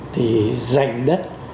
thì dành đất